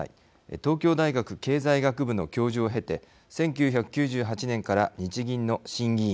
東京大学経済学部の教授を経て１９９８年から日銀の審議委員